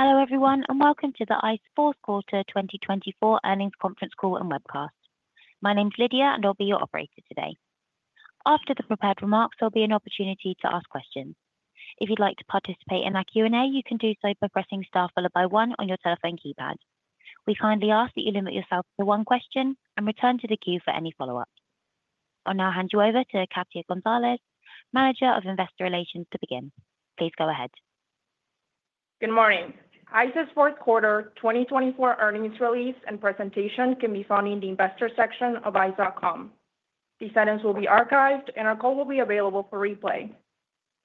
Hello everyone, and welcome to the ICE Fourth Quarter 2024 earnings conference call and webcast. My name's Lydia, and I'll be your operator today. After the prepared remarks, there'll be an opportunity to ask questions. If you'd like to participate in our Q&A, you can do so by pressing star followed by one on your telephone keypad. We kindly ask that you limit yourself to one question and return to the queue for any follow-ups. I'll now hand you over to Katia Gonzalez, Manager of Investor Relations, to begin. Please go ahead. Good morning. ICE's Fourth Quarter 2024 earnings release and presentation can be found in the Investor section of ice.com. These items will be archived, and our call will be available for replay.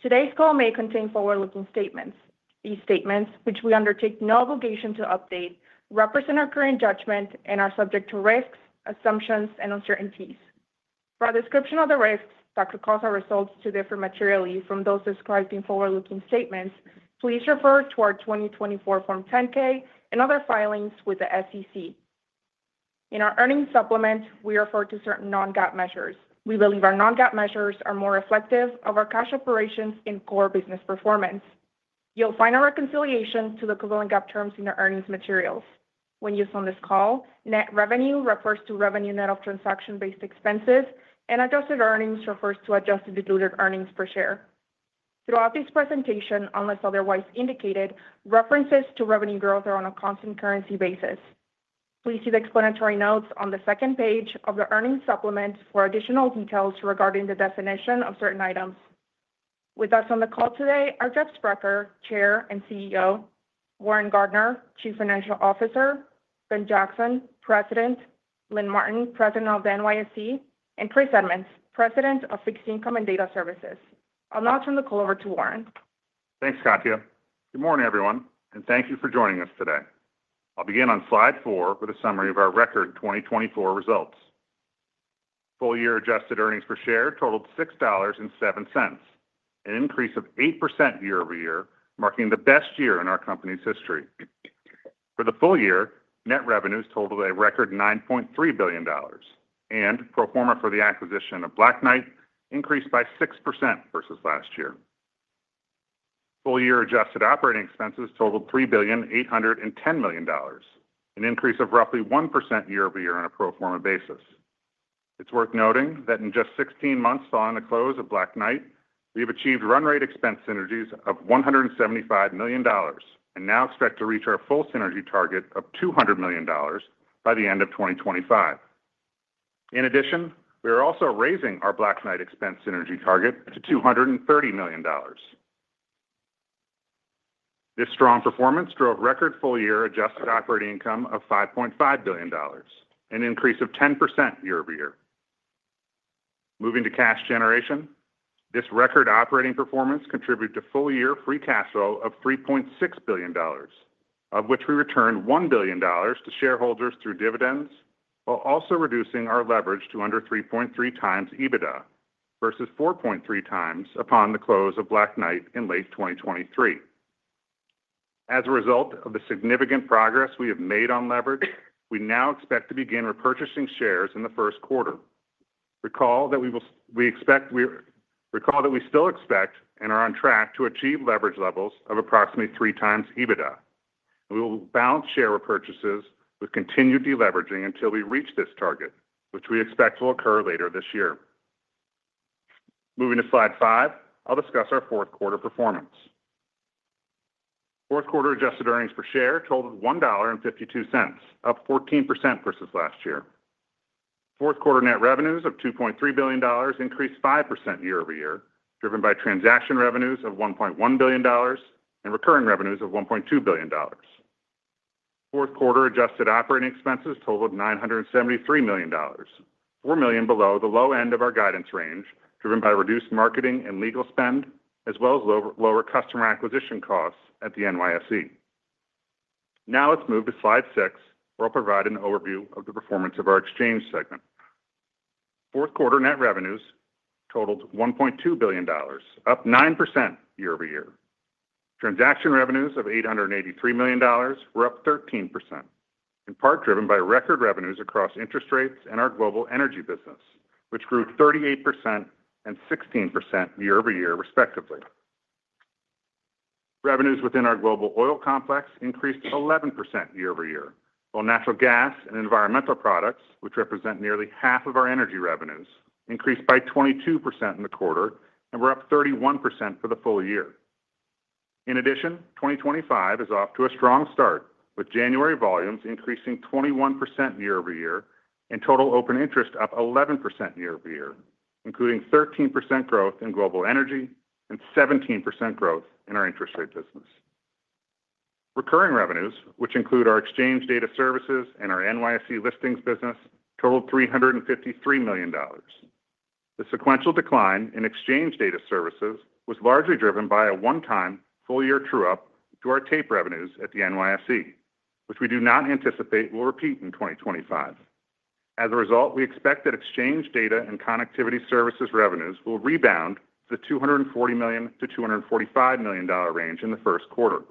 Today's call may contain forward-looking statements. These statements, which we undertake no obligation to update, represent our current judgment and are subject to risks, assumptions, and uncertainties. For our description of the risks, that could cause our results to differ materially from those described in forward-looking statements, please refer to our 2024 Form 10-K and other filings with the SEC. In our earnings supplement, we refer to certain non-GAAP measures. We believe our non-GAAP measures are more reflective of our cash operations and core business performance. You'll find our reconciliation to the equivalent GAAP terms in our earnings materials. When used on this call, net revenue refers to revenue net of transaction-based expenses, and adjusted earnings refers to adjusted diluted earnings per share. Throughout this presentation, unless otherwise indicated, references to revenue growth are on a constant currency basis. Please see the explanatory notes on the second page of the earnings supplement for additional details regarding the definition of certain items. With us on the call today are Jeff Sprecher, Chair and CEO, Warren Gardiner, Chief Financial Officer, Ben Jackson, President, Lynn Martin, President of the NYSE, and Chris Edmonds, President of Fixed Income and Data Services. I'll now turn the call over to Warren. Thanks, Katia. Good morning, everyone, and thank you for joining us today. I'll begin on slide four with a summary of our record 2024 results. Full-year adjusted earnings per share totaled $6.07, an increase of 8% year over year, marking the best year in our company's history. For the full year, net revenues totaled a record $9.3 billion, and pro forma for the acquisition of Black Knight increased by 6% versus last year. Full-year adjusted operating expenses totaled $3,810 million, an increase of roughly 1% year over year on a pro forma basis. It's worth noting that in just 16 months following the close of Black Knight, we've achieved run rate expense synergies of $175 million, and now expect to reach our full synergy target of $200 million by the end of 2025. In addition, we are also raising our Black Knight expense synergy target to $230 million. This strong performance drove record full-year adjusted operating Income of $5.5 billion, an increase of 10% year over year. Moving to cash generation, this record operating performance contributed to full-year free cash flow of $3.6 billion, of which we returned $1 billion to shareholders through dividends, while also reducing our leverage to under 3.3 times EBITDA versus 4.3x upon the close of Black Knight in late 2023. As a result of the significant progress we have made on leverage, we now expect to begin repurchasing shares in the first quarter. Recall that we still expect and are on track to achieve leverage levels of approximately three times EBITDA. We will balance share repurchases with continued deleveraging until we reach this target, which we expect will occur later this year. Moving to slide five, I'll discuss our fourth quarter performance. Fourth quarter adjusted earnings per share totaled $1.52, up 14% versus last year. Fourth quarter net revenues of $2.3 billion increased 5% year over year, driven by transaction revenues of $1.1 billion and recurring revenues of $1.2 billion. Fourth quarter adjusted operating expenses totaled $973 million, $4 million below the low end of our guidance range, driven by reduced marketing and legal spend, as well as lower customer acquisition costs at the NYSE. Now let's move to slide six, where I'll provide an overview of the performance of our exchange segment. Fourth quarter net revenues totaled $1.2 billion, up 9% year over year. Transaction revenues of $883 million were up 13%, in part driven by record revenues across interest rates and our global energy business, which grew 38% and 16% year over year, respectively. Revenues within our global oil complex increased 11% year over year, while natural gas and environmental products, which represent nearly half of our energy revenues, increased by 22% in the quarter and were up 31% for the full year. In addition, 2025 is off to a strong start, with January volumes increasing 21% year over year and total open interest up 11% year over year, including 13% growth in global energy and 17% growth in our interest rate business. Recurring revenues, which include our exchange data services and our NYSE listings business, totaled $353 million. The sequential decline in exchange data services was largely driven by a one-time full-year true-up to our tape revenues at the NYSE, which we do not anticipate will repeat in 2025. As a result, we expect that exchange data and connectivity services revenues will rebound to the $240 million-$245 million range in the first quarter.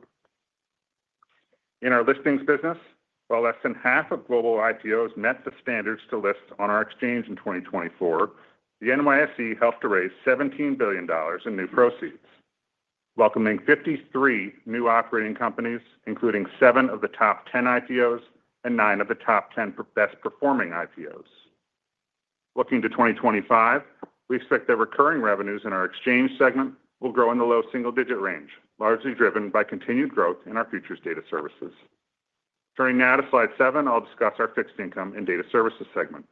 In our listings business, while less than half of global IPOs met the standards to list on our exchange in 2024, the NYSE helped to raise $17 billion in new proceeds, welcoming 53 new operating companies, including seven of the top 10 IPOs and nine of the top 10 best performing IPOs. Looking to 2025, we expect that recurring revenues in our exchange segment will grow in the low single-digit range, largely driven by continued growth in our futures data services. Turning now to slide seven, I'll discuss our Fixed Income and Data Services segment.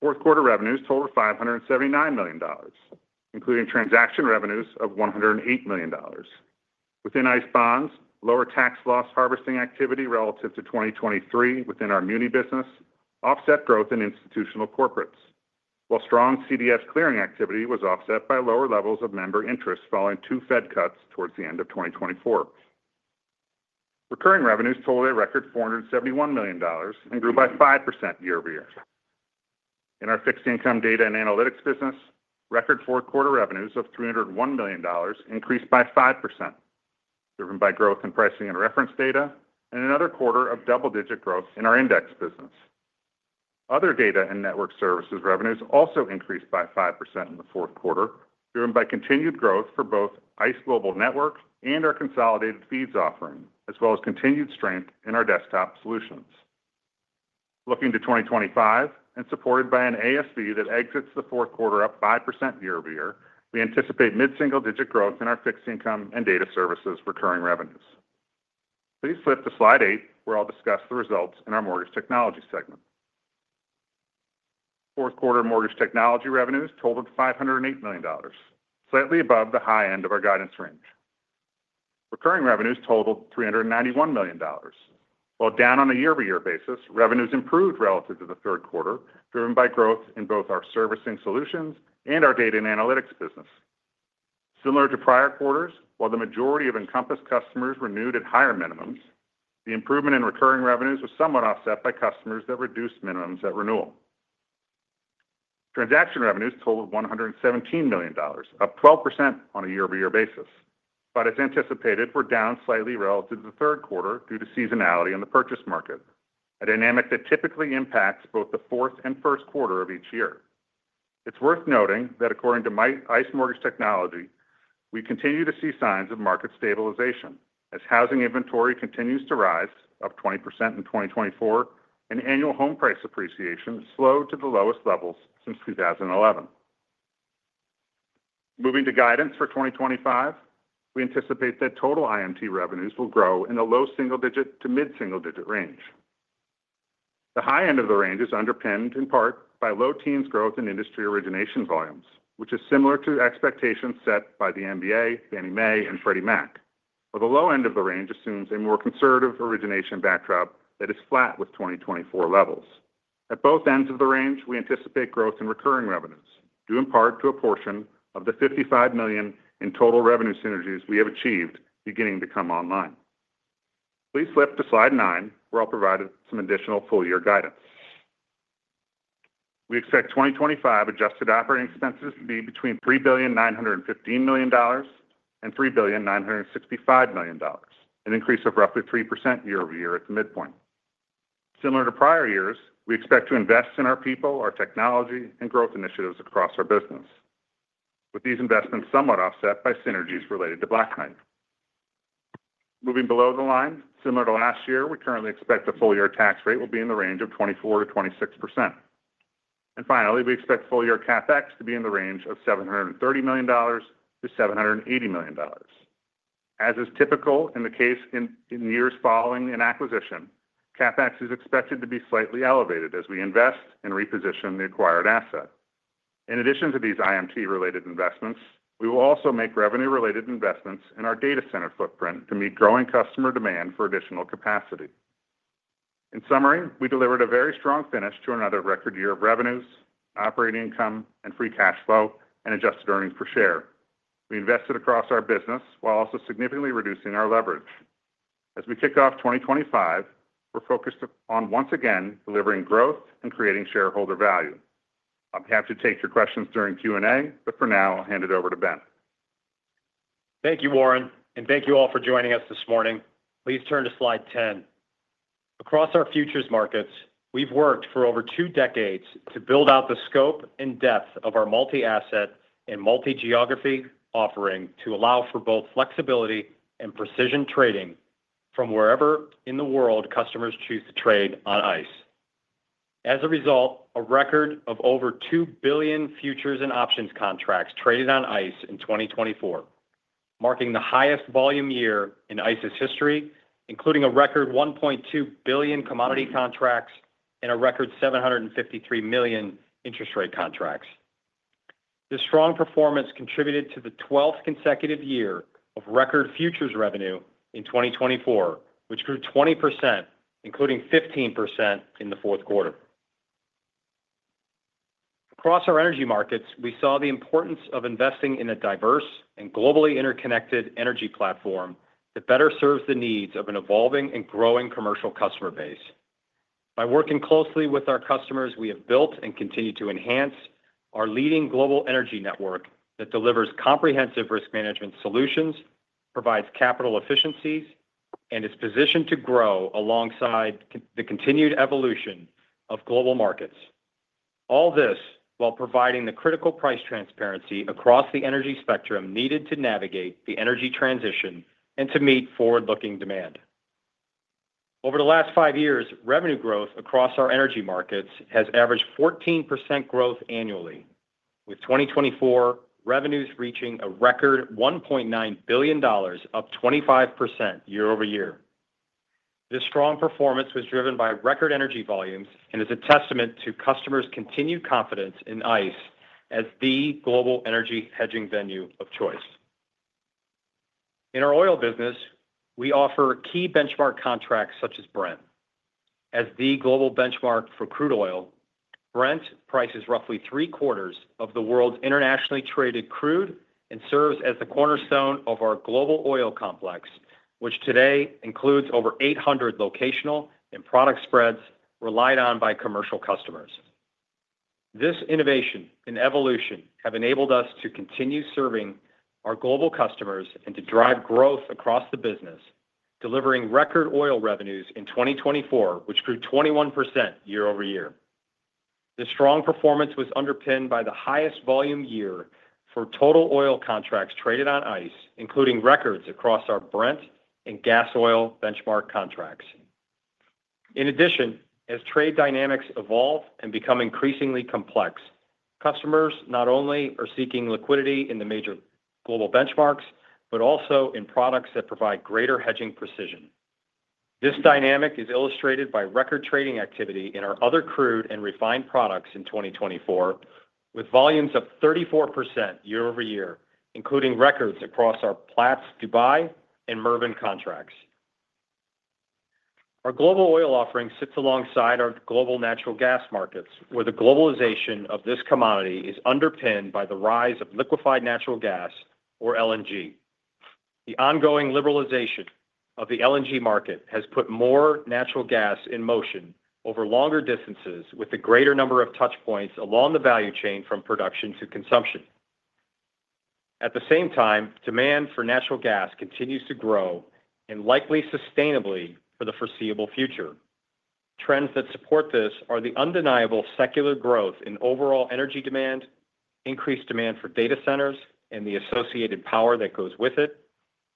Fourth quarter revenues totaled $579 million, including transaction revenues of $108 million. Within ICE Bonds, lower tax loss harvesting activity relative to 2023 within our muni business offset growth in institutional corporates, while strong CDS Clearing activity was offset by lower levels of member interest following two Fed cuts towards the end of 2024. Recurring revenues totaled a record $471 million and grew by 5% year over year. In our Fixed Income Data and Analytics business, record fourth quarter revenues of $301 million increased by 5%, driven by growth in Pricing and Reference Data, and another quarter of double-digit growth in our Index Business. Other Data and Network Services revenues also increased by 5% in the fourth quarter, driven by continued growth for both ICE Global Network and our Consolidated Feeds offering, as well as continued strength in our desktop solutions. Looking to 2025, and supported by an ASV that exits the fourth quarter up 5% year over year, we anticipate mid-single-digit growth in our Fixed Income and Data Services recurring revenues. Please flip to slide eight, where I'll discuss the results in our mortgage technology segment. Fourth quarter mortgage technology revenues totaled $508 million, slightly above the high end of our guidance range. Recurring revenues totaled $391 million, while down on a year-over-year basis, revenues improved relative to the third quarter, driven by growth in both our servicing solutions and our data and analytics business. Similar to prior quarters, while the majority of Encompass customers renewed at higher minimums, the improvement in recurring revenues was somewhat offset by customers that reduced minimums at renewal. Transaction revenues totaled $117 million, up 12% on a year-over-year basis, but as anticipated, were down slightly relative to the third quarter due to seasonality in the purchase market, a dynamic that typically impacts both the fourth and first quarter of each year. It's worth noting that according to ICE Mortgage Technology, we continue to see signs of market stabilization as housing inventory continues to rise up 20% in 2024, and annual home price appreciation slowed to the lowest levels since 2011. Moving to guidance for 2025, we anticipate that total IMT revenues will grow in the low single-digit to mid-single-digit range. The high end of the range is underpinned in part by low teens growth in industry origination volumes, which is similar to expectations set by the MBA, Fannie Mae, and Freddie Mac, while the low end of the range assumes a more conservative origination backdrop that is flat with 2024 levels. At both ends of the range, we anticipate growth in recurring revenues due in part to a portion of the $55 million in total revenue synergies we have achieved beginning to come online. Please flip to slide nine, where I'll provide some additional full-year guidance. We expect 2025 adjusted operating expenses to be between $3,915 million and $3,965 million, an increase of roughly 3% year over year at the midpoint. Similar to prior years, we expect to invest in our people, our technology, and growth initiatives across our business, with these investments somewhat offset by synergies related to Black Knight. Moving below the line, similar to last year, we currently expect the full-year tax rate will be in the range of 24%-26%. And finally, we expect full-year CapEx to be in the range of $730 million-$780 million. As is typical in the case in years following an acquisition, CapEx is expected to be slightly elevated as we invest and reposition the acquired asset. In addition to these IMT-related investments, we will also make revenue-related investments in our data center footprint to meet growing customer demand for additional capacity. In summary, we delivered a very strong finish to another record year of revenues, operating Income, and free cash flow and adjusted earnings per share. We invested across our business while also significantly reducing our leverage. As we kick off 2025, we're focused on once again delivering growth and creating shareholder value. I'll be happy to take your questions during Q&A, but for now, I'll hand it over to Ben. Thank you, Warren, and thank you all for joining us this morning. Please turn to slide 10. Across our futures markets, we've worked for over two decades to build out the scope and depth of our multi-asset and multi-geography offering to allow for both flexibility and precision trading from wherever in the world customers choose to trade on ICE. As a result, a record of over 2 billion futures and options contracts traded on ICE in 2024, marking the highest volume year in ICE's history, including a record 1.2 billion commodity contracts and a record 753 million interest rate contracts. This strong performance contributed to the 12th consecutive year of record futures revenue in 2024, which grew 20%, including 15% in the fourth quarter. Across our energy markets, we saw the importance of investing in a diverse and globally interconnected energy platform that better serves the needs of an evolving and growing commercial customer base. By working closely with our customers, we have built and continue to enhance our leading global energy network that delivers comprehensive risk management solutions, provides capital efficiencies, and is positioned to grow alongside the continued evolution of global markets. All this while providing the critical price transparency across the energy spectrum needed to navigate the energy transition and to meet forward-looking demand. Over the last five years, revenue growth across our energy markets has averaged 14% growth annually, with 2024 revenues reaching a record $1.9 billion, up 25% year over year. This strong performance was driven by record energy volumes and is a testament to customers' continued confidence in ICE as the global energy hedging venue of choice. In our oil business, we offer key benchmark contracts such as Brent. As the global benchmark for crude oil, Brent prices roughly three-quarters of the world's internationally traded crude and serves as the cornerstone of our global oil complex, which today includes over 800 locational and product spreads relied on by commercial customers. This innovation and evolution have enabled us to continue serving our global customers and to drive growth across the business, delivering record oil revenues in 2024, which grew 21% year over year. This strong performance was underpinned by the highest volume year for total oil contracts traded on ICE, including records across our Brent and gas oil benchmark contracts. In addition, as trade dynamics evolve and become increasingly complex, customers not only are seeking liquidity in the major global benchmarks, but also in products that provide greater hedging precision. This dynamic is illustrated by record trading activity in our other crude and refined products in 2024, with volumes up 34% year over year, including records across our Platts Dubai and Murban contracts. Our global oil offering sits alongside our global natural gas markets, where the globalization of this commodity is underpinned by the rise of liquefied natural gas, or LNG. The ongoing liberalization of the LNG market has put more natural gas in motion over longer distances, with a greater number of touchpoints along the value chain from production to consumption. At the same time, demand for natural gas continues to grow and likely sustainably for the foreseeable future. Trends that support this are the undeniable secular growth in overall energy demand, increased demand for data centers and the associated power that goes with it,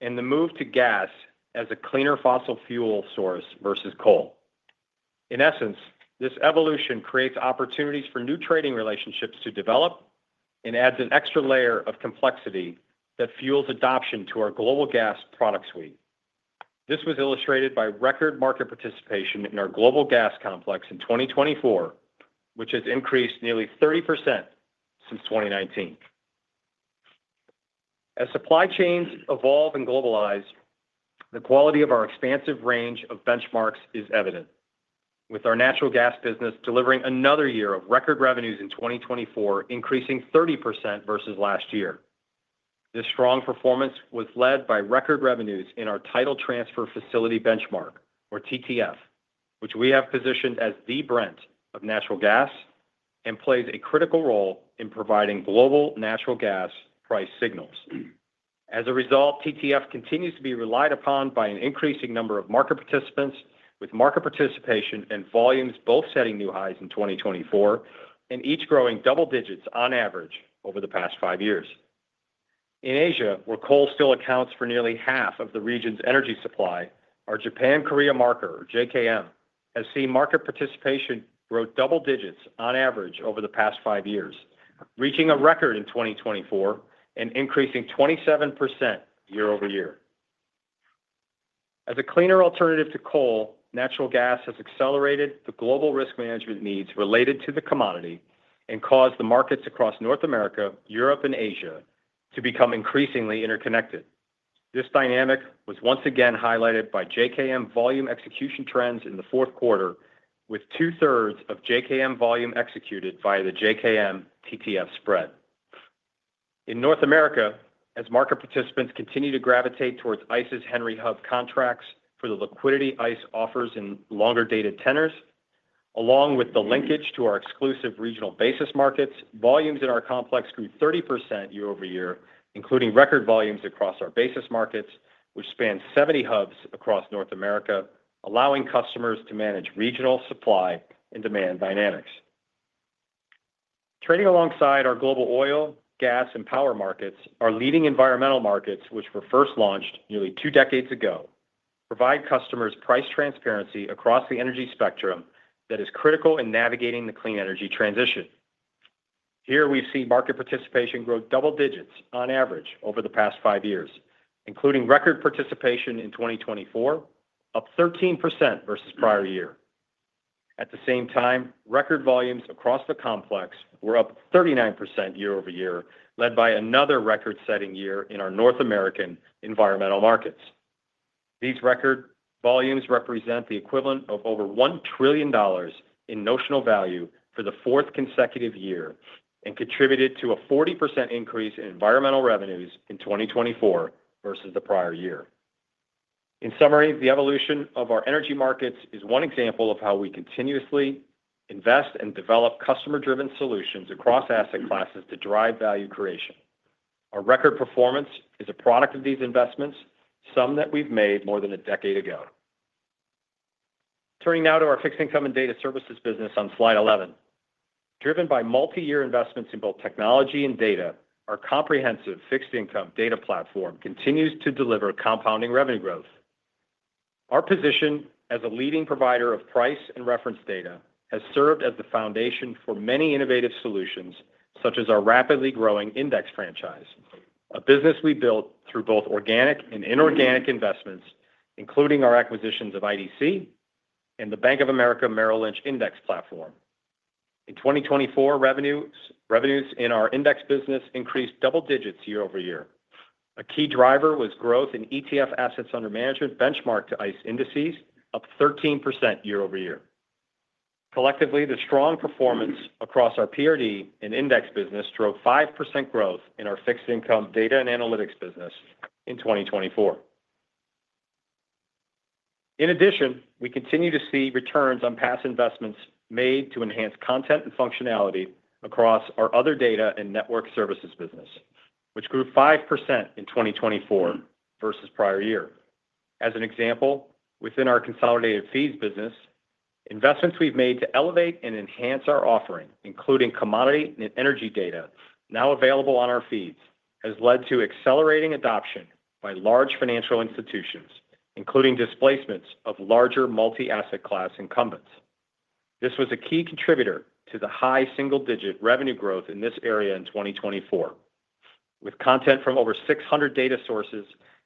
and the move to gas as a cleaner fossil fuel source versus coal. In essence, this evolution creates opportunities for new trading relationships to develop and adds an extra layer of complexity that fuels adoption to our global gas product suite. This was illustrated by record market participation in our global gas complex in 2024, which has increased nearly 30% since 2019. As supply chains evolve and globalize, the quality of our expansive range of benchmarks is evident, with our natural gas business delivering another year of record revenues in 2024, increasing 30% versus last year. This strong performance was led by record revenues in our Title Transfer Facility benchmark, or TTF, which we have positioned as the Brent of natural gas and plays a critical role in providing global natural gas price signals. As a result, TTF continues to be relied upon by an increasing number of market participants, with market participation and volumes both setting new highs in 2024 and each growing double digits on average over the past five years. In Asia, where coal still accounts for nearly half of the region's energy supply, our Japan-Korea Marker, or JKM, has seen market participation grow double digits on average over the past five years, reaching a record in 2024 and increasing 27% year over year. As a cleaner alternative to coal, natural gas has accelerated the global risk management needs related to the commodity and caused the markets across North America, Europe, and Asia to become increasingly interconnected. This dynamic was once again highlighted by JKM volume execution trends in the fourth quarter, with two-thirds of JKM volume executed via the JKM-TTF spread. In North America, as market participants continue to gravitate towards ICE's Henry Hub contracts for the liquidity ICE offers in longer-dated tenors, along with the linkage to our exclusive regional basis markets, volumes in our complex grew 30% year over year, including record volumes across our basis markets, which spanned 70 hubs across North America, allowing customers to manage regional supply and demand dynamics. Trading alongside our global oil, gas, and power markets, our leading Environmental Markets, which were first launched nearly two decades ago, provide customers price transparency across the energy spectrum that is critical in navigating the clean energy transition. Here, we've seen market participation grow double digits on average over the past five years, including record participation in 2024, up 13% versus prior year. At the same time, record volumes across the complex were up 39% year over year, led by another record-setting year in our North American environmental markets. These record volumes represent the equivalent of over $1 trillion in notional value for the fourth consecutive year and contributed to a 40% increase in environmental revenues in 2024 versus the prior year. In summary, the evolution of our energy markets is one example of how we continuously invest and develop customer-driven solutions across asset classes to drive value creation. Our record performance is a product of these investments, some that we've made more than a decade ago. Turning now to our Fixed Income and data services business on slide 11. Driven by multi-year investments in both technology and data, our comprehensive Fixed Income data platform continues to deliver compounding revenue growth. Our position as a leading provider of price and reference data has served as the foundation for many innovative solutions, such as our rapidly growing index franchise, a business we built through both organic and inorganic investments, including our acquisitions of IDC and the Bank of America Merrill Lynch Index Platform. In 2024, revenues in our index business increased double digits year over year. A key driver was growth in ETF assets under management benchmarked to ICE indices, up 13% year over year. Collectively, the strong performance across our PRD and index business drove 5% growth in our Fixed Income data and analytics business in 2024. In addition, we continue to see returns on past investments made to enhance content and functionality across our other Data and Network Services business, which grew 5% in 2024 versus prior year. As an example, within our Consolidated Feeds business, investments we've made to elevate and enhance our offering, including commodity and energy data now available on our feeds, have led to accelerating adoption by large financial institutions, including displacements of larger multi-asset class incumbents. This was a key contributor to the high single-digit revenue growth in this area in 2024, with content from over 600 data sources.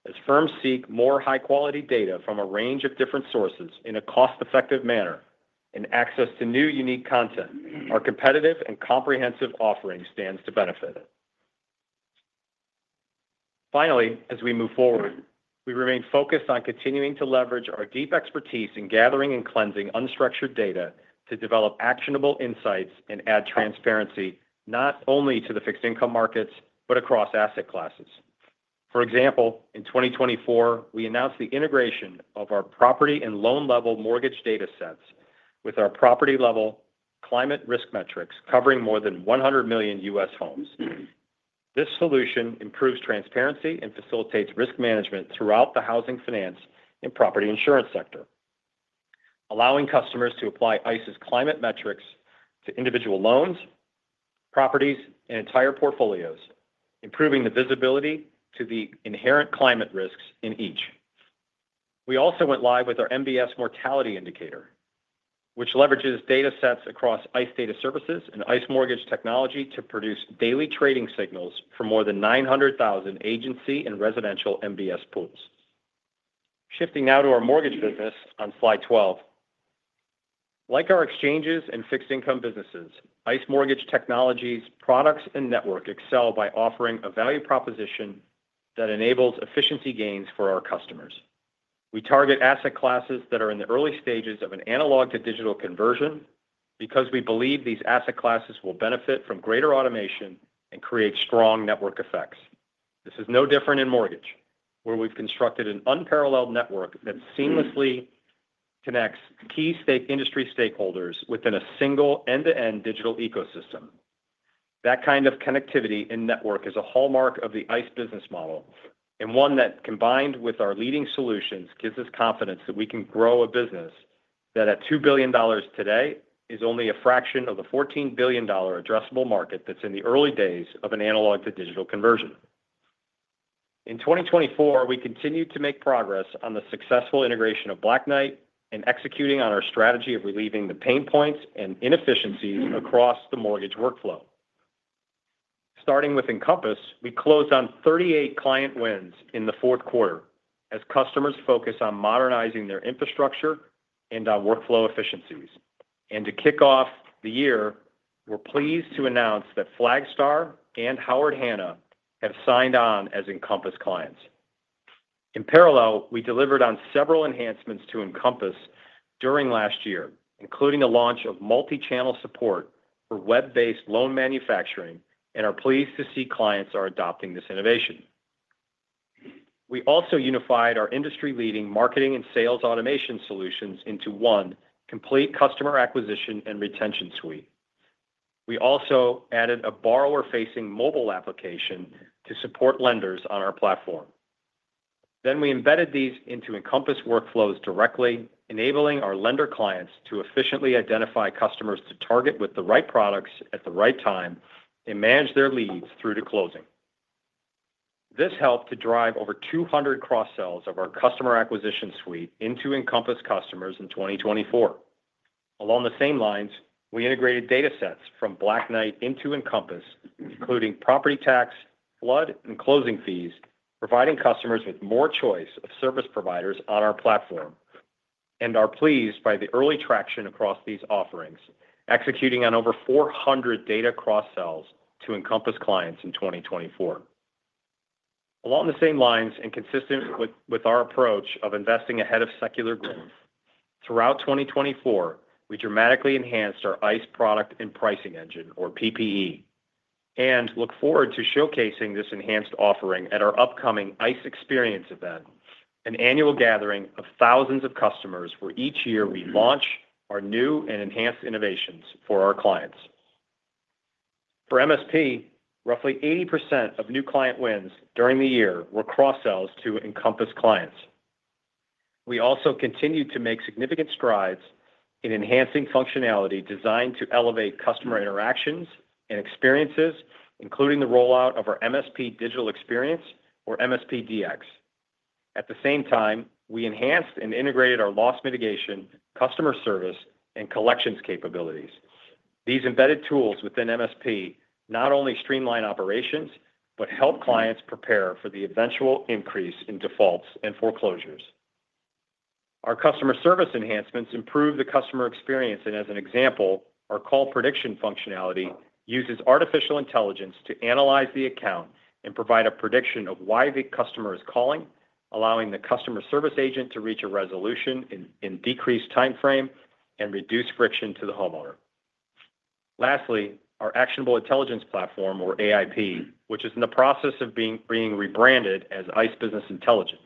As firms seek more high-quality data from a range of different sources in a cost-effective manner and access to new unique content, our competitive and comprehensive offering stands to benefit. Finally, as we move forward, we remain focused on continuing to leverage our deep expertise in gathering and cleansing unstructured data to develop actionable insights and add transparency not only to the Fixed Income markets, but across asset classes. For example, in 2024, we announced the integration of our property and loan-level mortgage data sets with our property-level climate risk metrics covering more than 100 million U.S. homes. This solution improves transparency and facilitates risk management throughout the housing finance and property insurance sector, allowing customers to apply ICE's climate metrics to individual loans, properties, and entire portfolios, improving the visibility to the inherent climate risks in each. We also went live with our MBS mortality indicator, which leverages data sets across ICE Data Services and ICE Mortgage Technology to produce daily trading signals for more than 900,000 agency and residential MBS pools. Shifting now to our mortgage business on slide 12. Like our exchanges and Fixed Income businesses, ICE Mortgage Technology's products and network excel by offering a value proposition that enables efficiency gains for our customers. We target asset classes that are in the early stages of an analog-to-digital conversion because we believe these asset classes will benefit from greater automation and create strong network effects. This is no different in mortgage, where we've constructed an unparalleled network that seamlessly connects key industry stakeholders within a single end-to-end digital ecosystem. That kind of connectivity and network is a hallmark of the ICE business model, and one that, combined with our leading solutions, gives us confidence that we can grow a business that, at $2 billion today, is only a fraction of the $14 billion addressable market that's in the early days of an analog-to-digital conversion. In 2024, we continue to make progress on the successful integration of Black Knight and executing on our strategy of relieving the pain points and inefficiencies across the mortgage workflow. Starting with Encompass, we closed on 38 client wins in the fourth quarter as customers focus on modernizing their infrastructure and on workflow efficiencies. To kick off the year, we're pleased to announce that Flagstar and Howard Hanna have signed on as Encompass clients. In parallel, we delivered on several enhancements to Encompass during last year, including the launch of multi-channel support for web-based loan manufacturing, and are pleased to see clients are adopting this innovation. We also unified our industry-leading marketing and sales automation solutions into one complete customer acquisition and retention suite. We also added a borrower-facing mobile application to support lenders on our platform. We embedded these into Encompass workflows directly, enabling our lender clients to efficiently identify customers to target with the right products at the right time and manage their leads through to closing. This helped to drive over 200 cross-sells of our customer acquisition suite into Encompass customers in 2024. Along the same lines, we integrated data sets from Black Knight into Encompass, including property tax, flood, and closing fees, providing customers with more choice of service providers on our platform, and are pleased by the early traction across these offerings, executing on over 400 data cross-sells to Encompass clients in 2024. Along the same lines and consistent with our approach of investing ahead of secular growth, throughout 2024, we dramatically enhanced our ICE Product and Pricing Engine, or PPE, and look forward to showcasing this enhanced offering at our upcoming ICE Experience Event, an annual gathering of thousands of customers where each year we launch our new and enhanced innovations for our clients. For MSP, roughly 80% of new client wins during the year were cross-sells to Encompass clients. We also continue to make significant strides in enhancing functionality designed to elevate customer interactions and experiences, including the rollout of our MSP Digital Experience, or MSP DX. At the same time, we enhanced and integrated our loss mitigation, customer service, and collections capabilities. These embedded tools within MSP not only streamline operations, but help clients prepare for the eventual increase in defaults and foreclosures. Our customer service enhancements improve the customer experience, and as an example, our call prediction functionality uses artificial intelligence to analyze the account and provide a prediction of why the customer is calling, allowing the customer service agent to reach a resolution in a decreased timeframe and reduce friction to the homeowner. Lastly, our Actionable Intelligence Platform, or AIP, which is in the process of being rebranded as ICE Business Intelligence,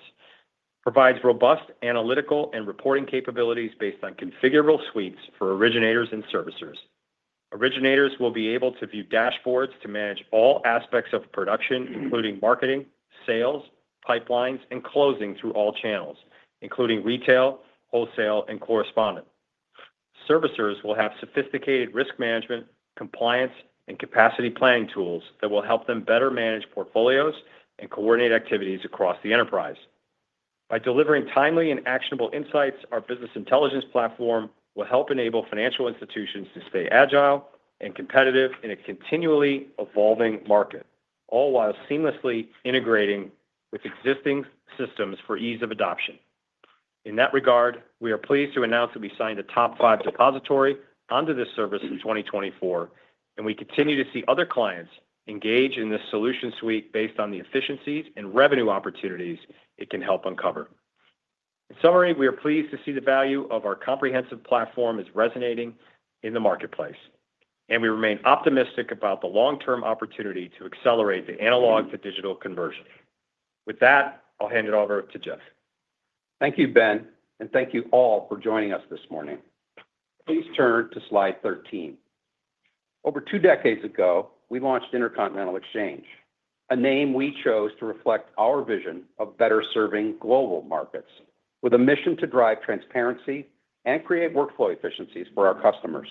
provides robust analytical and reporting capabilities based on configurable suites for originators and servicers. Originators will be able to view dashboards to manage all aspects of production, including marketing, sales, pipelines, and closing through all channels, including retail, wholesale, and correspondent. Servicers will have sophisticated risk management, compliance, and capacity planning tools that will help them better manage portfolios and coordinate activities across the enterprise. By delivering timely and actionable insights, our business intelligence platform will help enable financial institutions to stay agile and competitive in a continually evolving market, all while seamlessly integrating with existing systems for ease of adoption. In that regard, we are pleased to announce that we signed a top-five depository onto this service in 2024, and we continue to see other clients engage in this solution suite based on the efficiencies and revenue opportunities it can help uncover. In summary, we are pleased to see the value of our comprehensive platform as resonating in the marketplace, and we remain optimistic about the long-term opportunity to accelerate the analog-to-digital conversion. With that, I'll hand it over to Jeff. Thank you, Ben, and thank you all for joining us this morning. Please turn to slide 13. Over two decades ago, we launched Intercontinental Exchange, a name we chose to reflect our vision of better serving global markets with a mission to drive transparency and create workflow efficiencies for our customers.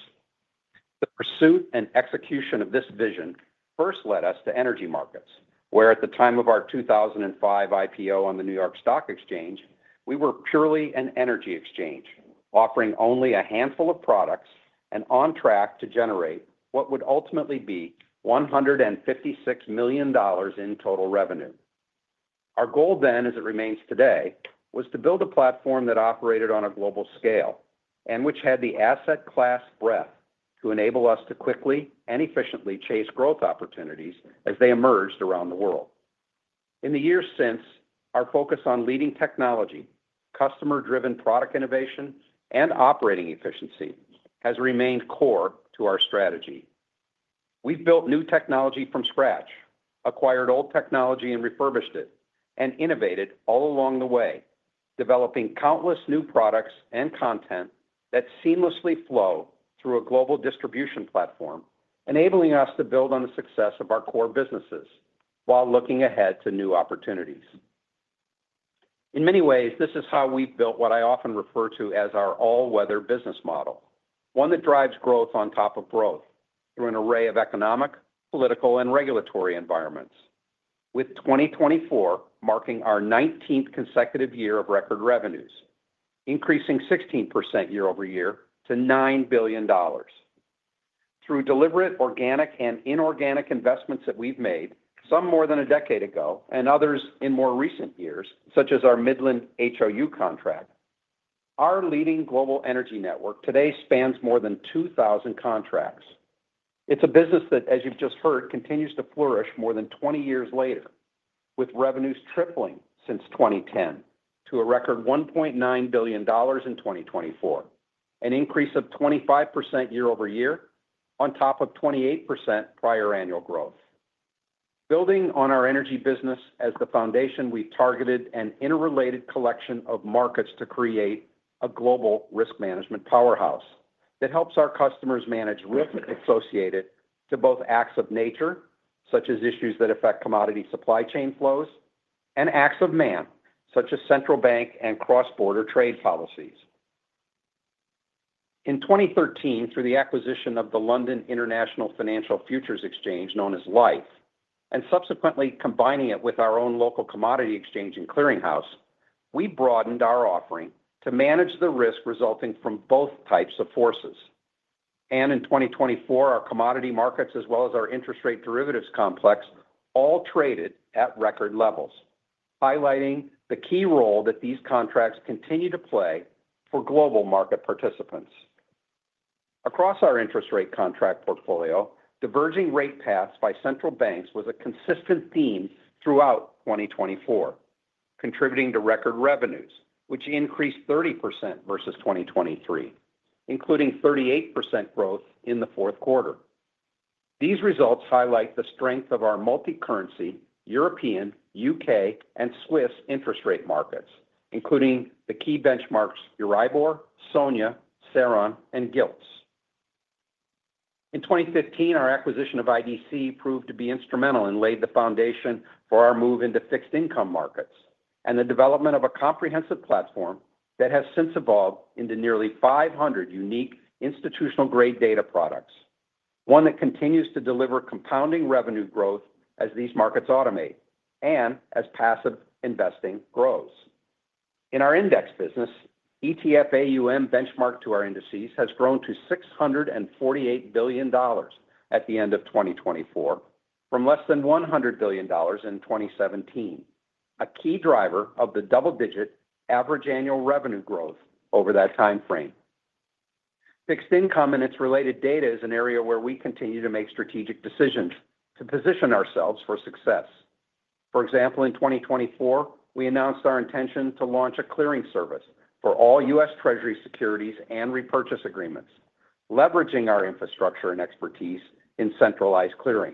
The pursuit and execution of this vision first led us to energy markets, where at the time of our 2005 IPO on the New York Stock Exchange, we were purely an energy exchange, offering only a handful of products and on track to generate what would ultimately be $156 million in total revenue. Our goal then, as it remains today, was to build a platform that operated on a global scale and which had the asset class breadth to enable us to quickly and efficiently chase growth opportunities as they emerged around the world. In the years since, our focus on leading technology, customer-driven product innovation, and operating efficiency has remained core to our strategy. We've built new technology from scratch, acquired old technology and refurbished it, and innovated all along the way, developing countless new products and content that seamlessly flow through a global distribution platform, enabling us to build on the success of our core businesses while looking ahead to new opportunities. In many ways, this is how we've built what I often refer to as our all-weather business model, one that drives growth on top of growth through an array of economic, political, and regulatory environments, with 2024 marking our 19th consecutive year of record revenues, increasing 16% year over year to $9 billion. Through deliberate organic and inorganic investments that we've made, some more than a decade ago and others in more recent years, such as our Midland HOU contract, our leading global energy network today spans more than 2,000 contracts. It's a business that, as you've just heard, continues to flourish more than 20 years later, with revenues tripling since 2010 to a record $1.9 billion in 2024, an increase of 25% year over year on top of 28% prior annual growth. Building on our energy business as the foundation, we've targeted an interrelated collection of markets to create a global risk management powerhouse that helps our customers manage risk associated to both acts of nature, such as issues that affect commodity supply chain flows, and acts of man, such as central bank and cross-border trade policies. In 2013, through the acquisition of the London International Financial Futures Exchange, known as LIFFE, and subsequently combining it with our own local commodity exchange and clearing house, we broadened our offering to manage the risk resulting from both types of forces, and in 2024, our commodity markets, as well as our interest rate derivatives complex, all traded at record levels, highlighting the key role that these contracts continue to play for global market participants. Across our interest rate contract portfolio, diverging rate paths by central banks was a consistent theme throughout 2024, contributing to record revenues, which increased 30% versus 2023, including 38% growth in the fourth quarter. These results highlight the strength of our multi-currency, European, U.K., and Swiss interest rate markets, including the key benchmarks Euribor, SONIA, SARON, and Gilts. In 2015, our acquisition of IDC proved to be instrumental and laid the foundation for our move into Fixed Income markets and the development of a comprehensive platform that has since evolved into nearly 500 unique institutional-grade data products, one that continues to deliver compounding revenue growth as these markets automate and as passive investing grows. In our index business, ETF AUM benchmarked to our indices has grown to $648 billion at the end of 2024, from less than $100 billion in 2017, a key driver of the double-digit average annual revenue growth over that timeframe. Fixed Income and its related data is an area where we continue to make strategic decisions to position ourselves for success. For example, in 2024, we announced our intention to launch a clearing service for all U.S. Treasury securities and repurchase agreements, leveraging our infrastructure and expertise in centralized clearing,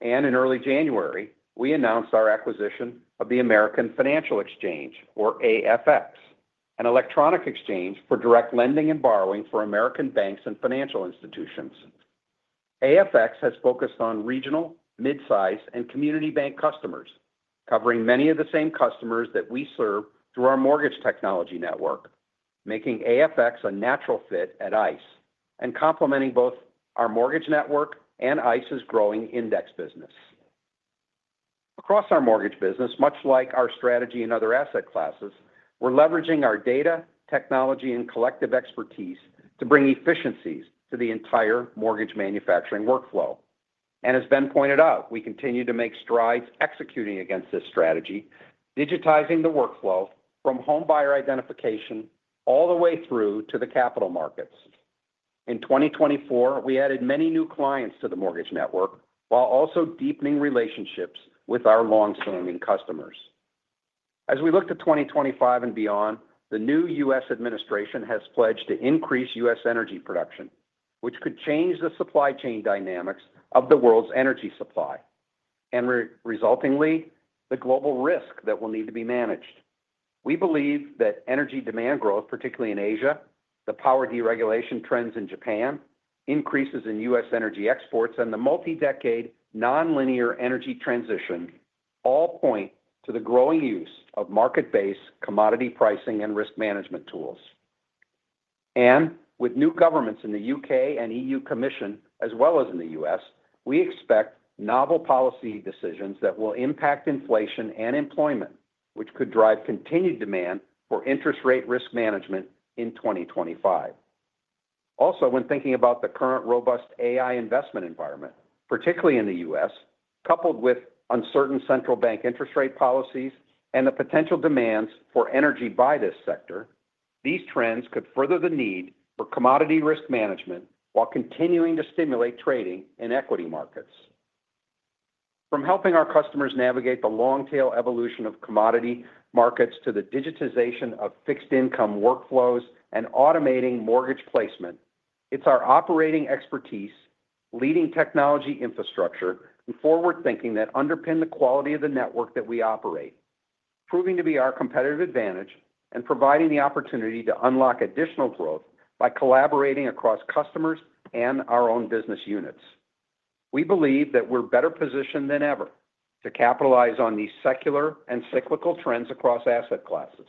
and in early January, we announced our acquisition of the American Financial Exchange, or AFX, an electronic exchange for direct lending and borrowing for American banks and financial institutions. AFX has focused on regional, mid-size, and community bank customers, covering many of the same customers that we serve through our mortgage technology network, making AFX a natural fit at ICE and complementing both our mortgage network and ICE's growing index business. Across our mortgage business, much like our strategy in other asset classes, we're leveraging our data, technology, and collective expertise to bring efficiencies to the entire mortgage manufacturing workflow. And as Ben pointed out, we continue to make strides executing against this strategy, digitizing the workflow from home buyer identification all the way through to the capital markets. In 2024, we added many new clients to the mortgage network while also deepening relationships with our longstanding customers. As we look to 2025 and beyond, the new U.S. administration has pledged to increase U.S. energy production, which could change the supply chain dynamics of the world's energy supply and, resultingly, the global risk that will need to be managed. We believe that energy demand growth, particularly in Asia, the power deregulation trends in Japan, increases in U.S. energy exports, and the multi-decade non-linear energy transition all point to the growing use of market-based commodity pricing and risk management tools, and with new governments in the U.K. and E.U. Commission, as well as in the U.S., we expect novel policy decisions that will impact inflation and employment, which could drive continued demand for interest rate risk management in 2025. Also, when thinking about the current robust AI investment environment, particularly in the U.S., coupled with uncertain central bank interest rate policies and the potential demands for energy by this sector, these trends could further the need for commodity risk management while continuing to stimulate trading in equity markets. From helping our customers navigate the long-tail evolution of commodity markets to the digitization of Fixed Income workflows and automating mortgage placement, it's our operating expertise, leading technology infrastructure, and forward-thinking that underpin the quality of the network that we operate, proving to be our competitive advantage and providing the opportunity to unlock additional growth by collaborating across customers and our own business units. We believe that we're better positioned than ever to capitalize on these secular and cyclical trends across asset classes,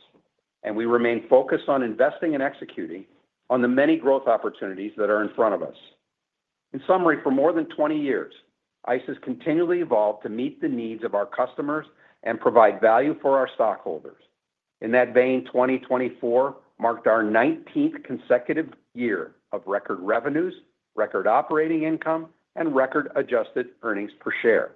and we remain focused on investing and executing on the many growth opportunities that are in front of us. In summary, for more than 20 years, ICE has continually evolved to meet the needs of our customers and provide value for our stockholders. In that vein, 2024 marked our 19th consecutive year of record revenues, record operating Income, and record adjusted earnings per share.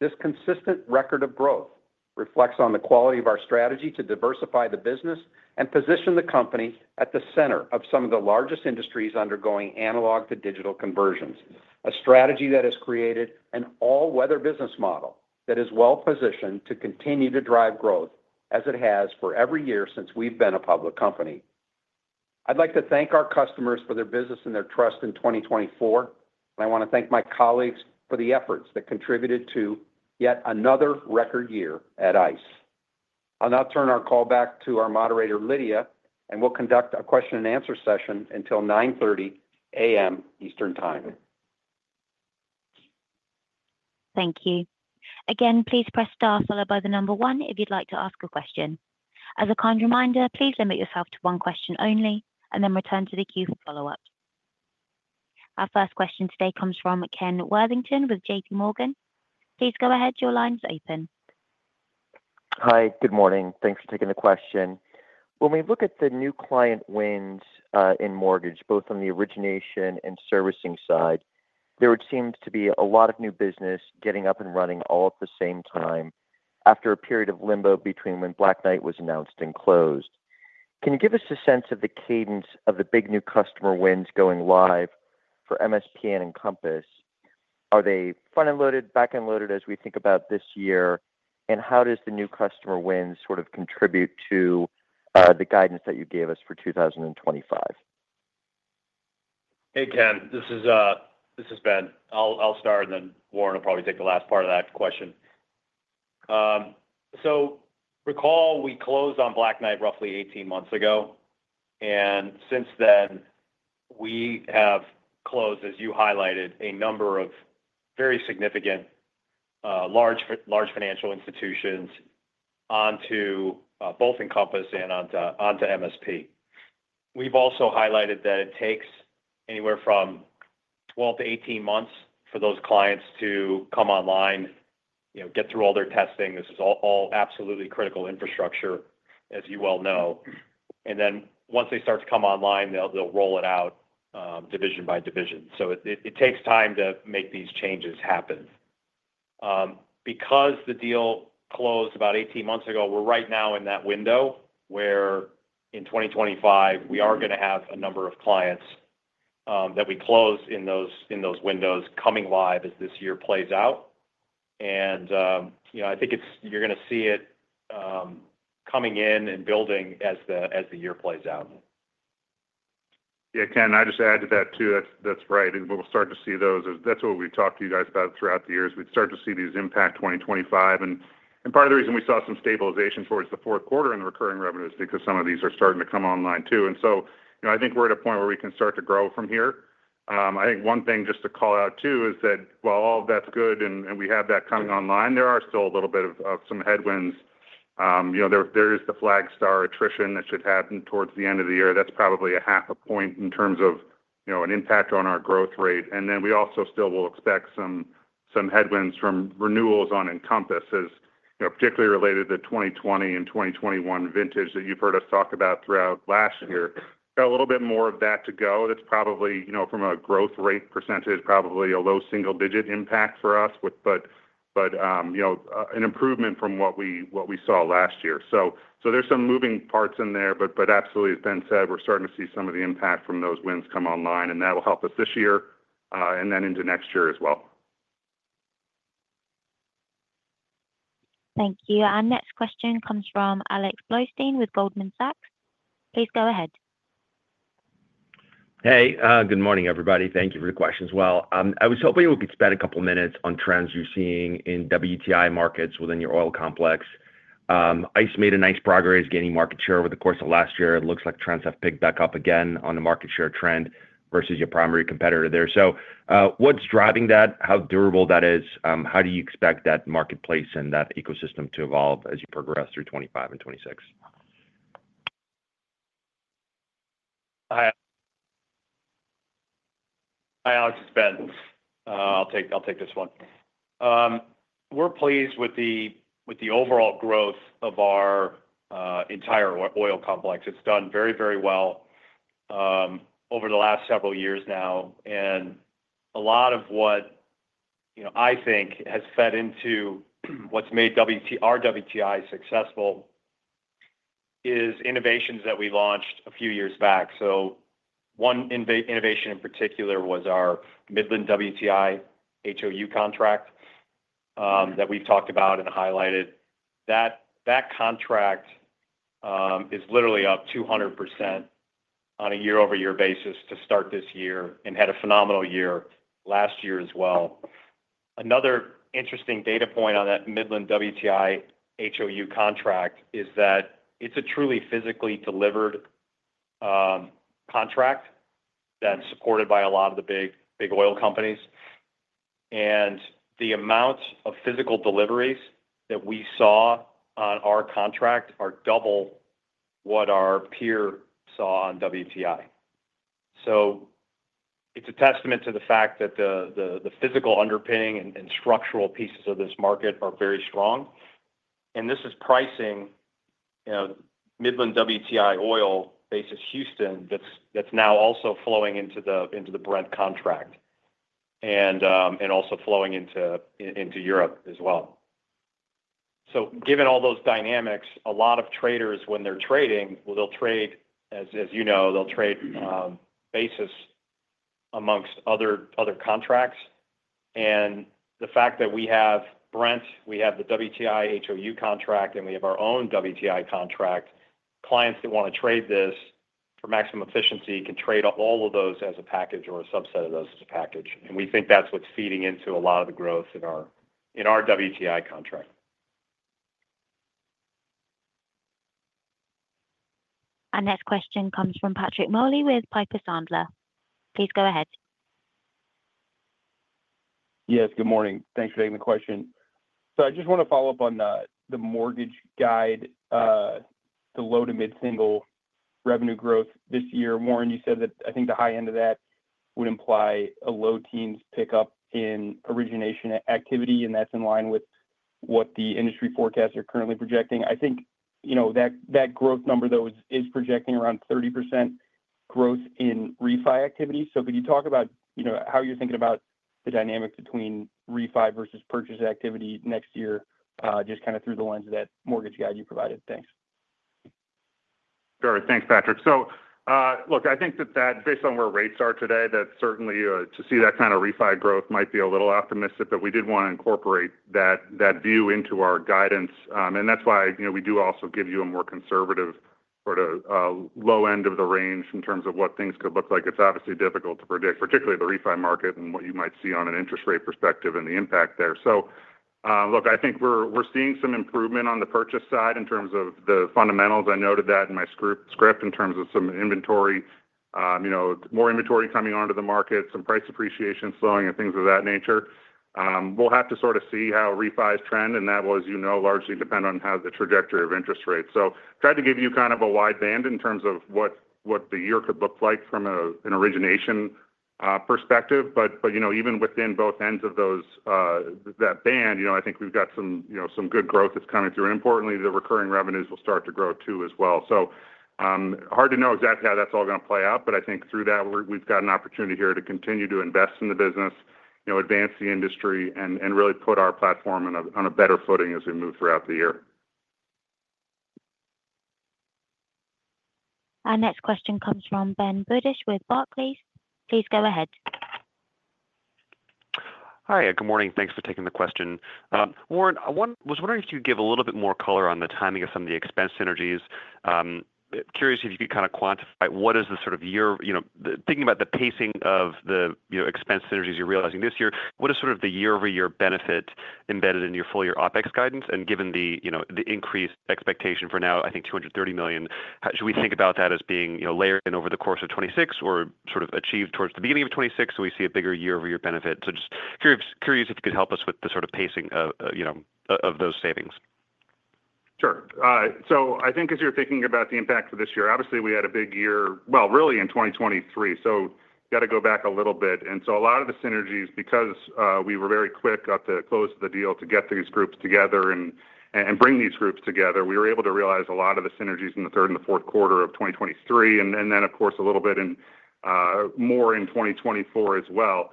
This consistent record of growth reflects on the quality of our strategy to diversify the business and position the company at the center of some of the largest industries undergoing Analog-to-Digital conversions, a strategy that has created an all-weather business model that is well-positioned to continue to drive growth as it has for every year since we've been a public company. I'd like to thank our customers for their business and their trust in 2024, and I want to thank my colleagues for the efforts that contributed to yet another record year at ICE. I'll now turn our call back to our moderator, Lydia, and we'll conduct a question-and-answer session until 9:30 A.M. Eastern Time. Thank you. Again, please press star followed by the number one if you'd like to ask a question. As a kind reminder, please limit yourself to one question only and then return to the queue for follow-up. Our first question today comes from Ken Worthington with J.P. Morgan. Please go ahead. Your line's open. Hi. Good morning. Thanks for taking the question. When we look at the new client wins in mortgage, both on the origination and servicing side, there would seem to be a lot of new business getting up and running all at the same time after a period of limbo between when Black Knight was announced and closed. Can you give us a sense of the cadence of the big new customer wins going live for MSP and Encompass? Are they front-end loaded, back-end loaded as we think about this year, and how does the new customer win sort of contribute to the guidance that you gave us for 2025? Hey, Ken. This is Ben. I'll start, and then Warren will probably take the last part of that question. So recall we closed on Black Knight roughly 18 months ago, and since then, we have closed, as you highlighted, a number of very significant large financial institutions onto both Encompass and onto MSP. We've also highlighted that it takes anywhere from 12 to 18 months for those clients to come online, get through all their testing. This is all absolutely critical infrastructure, as you well know. And then once they start to come online, they'll roll it out division by division. So it takes time to make these changes happen. Because the deal closed about 18 months ago, we're right now in that window where in 2025, we are going to have a number of clients that we close in those windows coming live as this year plays out. And I think you're going to see it coming in and building as the year plays out. Yeah, Ken, I just add to that too. That's right. And we'll start to see those. That's what we've talked to you guys about throughout the years. We'd start to see these impact 2025. And part of the reason we saw some stabilization towards the fourth quarter and the recurring revenue is because some of these are starting to come online too. And so I think we're at a point where we can start to grow from here. I think one thing just to call out too is that while all of that's good and we have that coming online, there are still a little bit of some headwinds. There is the Flagstar attrition that should happen towards the end of the year. That's probably 0.5 points in terms of an impact on our growth rate. And then we also still will expect some headwinds from renewals on Encompass, particularly related to the 2020 and 2021 vintage that you've heard us talk about throughout last year. Got a little bit more of that to go. That's probably from a growth rate percentage, probably a low single-digit impact for us, but an improvement from what we saw last year. So there's some moving parts in there, but absolutely, as Ben said, we're starting to see some of the impact from those wins come online, and that will help us this year and then into next year as well. Thank you. Our next question comes from Alex Bloustein with Goldman Sachs. Please go ahead. Hey, good morning, everybody. Thank you for the question as well. I was hoping we could spend a couple of minutes on trends you're seeing in WTI markets within your Oil Complex. ICE made a nice progress, gaining market share over the course of last year. It looks like trends have picked back up again on the market share trend versus your primary competitor there. So what's driving that, how durable that is? How do you expect that marketplace and that ecosystem to evolve as you progress through 2025 and 2026? Hi. Hi, Alex. It's Ben. I'll take this one. We're pleased with the overall growth of our entire Oil Complex. It's done very, very well over the last several years now. And a lot of what I think has fed into what's made our WTI successful is innovations that we launched a few years back. So one innovation in particular was our Midland WTI HOU contract that we've talked about and highlighted. That contract is literally up 200% on a year-over-year basis to start this year and had a phenomenal year last year as well. Another interesting data point on that Midland WTI HOU contract is that it's a truly physically delivered contract that's supported by a lot of the big oil companies. And the amount of physical deliveries that we saw on our contract are double what our peer saw on WTI. So it's a testament to the fact that the physical underpinning and structural pieces of this market are very strong. And this is pricing Midland WTI oil basis Houston that's now also flowing into the Brent contract and also flowing into Europe as well. So given all those dynamics, a lot of traders, when they're trading, well, they'll trade, as you know, they'll trade basis amongst other contracts. And the fact that we have Brent, we have the WTI HOU contract, and we have our own WTI contract. Clients that want to trade this for maximum efficiency can trade all of those as a package or a subset of those as a package. And we think that's what's feeding into a lot of the growth in our WTI contract. Our next question comes from Patrick Moley with Piper Sandler. Please go ahead. Yes, good morning. Thanks for taking the question. So I just want to follow up on the mortgage guidance, the low to mid-single revenue growth this year. Warren, you said that I think the high end of that would imply a low teens pickup in origination activity, and that's in line with what the industry forecasts are currently projecting. I think that growth number, though, is projecting around 30% growth in refi activity. So could you talk about how you're thinking about the dynamic between refi versus purchase activity next year just kind of through the lens of that mortgage guide you provided? Thanks. Sure. Thanks, Patrick. So look, I think that based on where rates are today, that certainly to see that kind of refi growth might be a little optimistic, but we did want to incorporate that view into our guidance. And that's why we do also give you a more conservative sort of low end of the range in terms of what things could look like. It's obviously difficult to predict, particularly the refi market and what you might see on an interest rate perspective and the impact there. So look, I think we're seeing some improvement on the purchase side in terms of the fundamentals. I noted that in my script in terms of some inventory, more inventory coming onto the market, some price appreciation slowing, and things of that nature. We'll have to sort of see how refi's trend, and that will, as you know, largely depend on how the trajectory of interest rates. So I tried to give you kind of a wide band in terms of what the year could look like from an origination perspective. But even within both ends of that band, I think we've got some good growth that's coming through. And importantly, the recurring revenues will start to grow too as well. So hard to know exactly how that's all going to play out, but I think through that, we've got an opportunity here to continue to invest in the business, advance the industry, and really put our platform on a better footing as we move throughout the year. Our next question comes from Ben Budish with Barclays. Please go ahead. Hi. Good morning. Thanks for taking the question. Warren, I was wondering if you could give a little bit more color on the timing of some of the expense synergies. Curious if you could kind of quantify what is the sort of year thinking about the pacing of the expense synergies you're realizing this year, what is sort of the year-over-year benefit embedded in your full-year OPEX guidance? Given the increased expectation for now, I think, $230 million, should we think about that as being layered in over the course of 2026 or sort of achieved towards the beginning of 2026, or do we see a bigger year-over-year benefit? So just curious if you could help us with the sort of pacing of those savings. Sure. So I think as you're thinking about the impact for this year, obviously, we had a big year, well, really in 2023. So you got to go back a little bit. And so a lot of the synergies, because we were very quick at the close of the deal to get these groups together and bring these groups together, we were able to realize a lot of the synergies in the third and the fourth quarter of 2023, and then, of course, a little bit more in 2024 as well.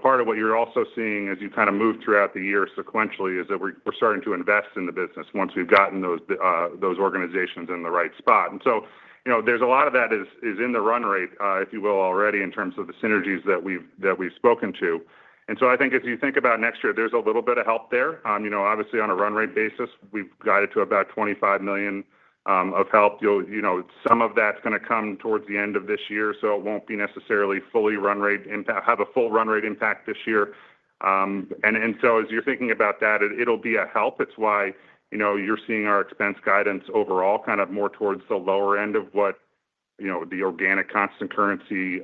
Part of what you're also seeing as you kind of move throughout the year sequentially is that we're starting to invest in the business once we've gotten those organizations in the right spot. And so there's a lot of that is in the run rate, if you will, already in terms of the synergies that we've spoken to. And so I think as you think about next year, there's a little bit of help there. Obviously, on a run rate basis, we've guided to about $25 million of help. Some of that's going to come towards the end of this year, so it won't be necessarily fully run rate impact, have a full run rate impact this year. And so as you're thinking about that, it'll be a help. It's why you're seeing our expense guidance overall kind of more towards the lower end of what the organic constant currency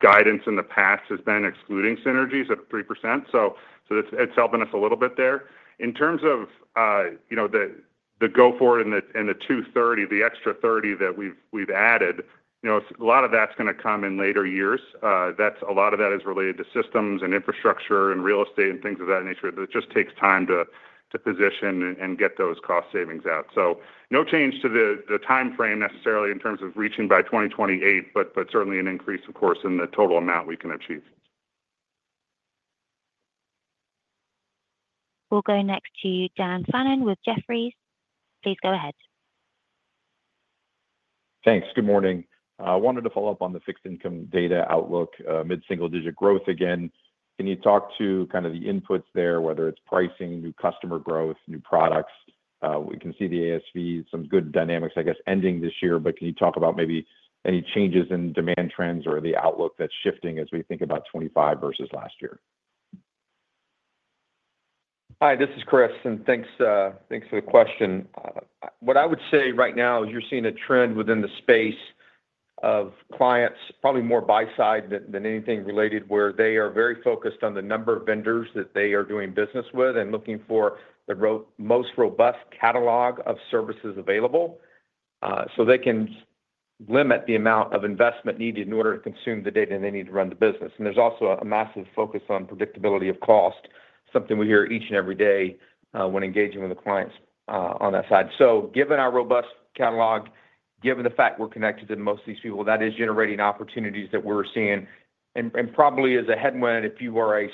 guidance in the past has been excluding synergies at 3%, so it's helping us a little bit there. In terms of the go-forward and the 230, the extra 30 that we've added, a lot of that's going to come in later years. A lot of that is related to systems and infrastructure and real estate and things of that nature. It just takes time to position and get those cost savings out. So no change to the timeframe necessarily in terms of reaching by 2028, but certainly an increase, of course, in the total amount we can achieve. We'll go next to Dan Fannon with Jefferies. Please go ahead. Thanks. Good morning. I wanted to follow up on the Fixed Income data outlook, mid-single-digit growth again. Can you talk to kind of the inputs there, whether it's pricing, new customer growth, new products? We can see the ASV, some good dynamics, I guess, ending this year, but can you talk about maybe any changes in demand trends or the outlook that's shifting as we think about 2025 versus last year? Hi, this is Chris, and thanks for the question. What I would say right now is you're seeing a trend within the space of clients, probably more buy-side than anything related, where they are very focused on the number of vendors that they are doing business with and looking for the most robust catalog of services available so they can limit the amount of investment needed in order to consume the data they need to run the business. There's also a massive focus on predictability of cost, something we hear each and every day when engaging with the clients on that side. So given our robust catalog, given the fact we're connected to most of these people, that is generating opportunities that we're seeing. And probably as a headwind, if you are a